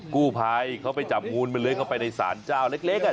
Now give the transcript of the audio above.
กู้ภัยเขาไปจับงูมันเลื้อยเข้าไปในศาลเจ้าเล็ก